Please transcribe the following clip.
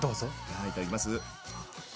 はいいただきます。